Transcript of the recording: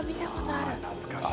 ああ懐かしい！